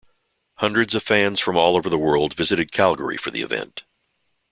Hundreds of fans from all over the world visited Calgary for the event.